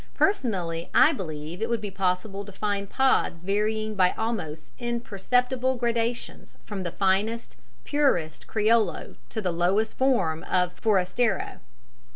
Personally I believe it would be possible to find pods varying by almost imperceptible gradations from the finest, purest, criollo to the lowest form of forastero (namely, calabacillo).